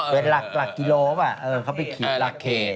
เป็นหลักกิโลเขาไปเขียนหลักเขต